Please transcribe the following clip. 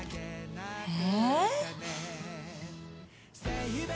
え。